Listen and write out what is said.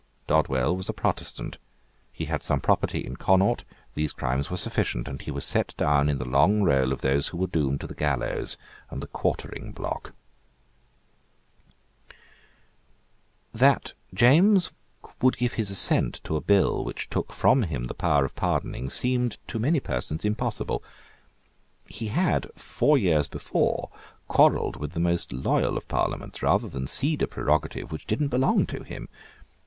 Dodwell was a Protestant: he had some property in Connaught: these crimes were sufficient; and he was set down in the long roll of those who were doomed to the gallows and the quartering block, That James would give his assent to a bill which took from him the power of pardoning, seemed to many persons impossible. He had, four years before, quarrelled with the most loyal of parliaments rather than cede a prerogative which did not belong to him.